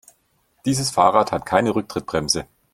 Dieses Fahrrad hat keine Rücktrittbremse.